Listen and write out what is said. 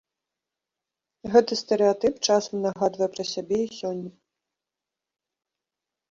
Гэты стэрэатып часам нагадвае пра сябе і сёння.